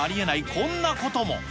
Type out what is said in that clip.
こんなことも。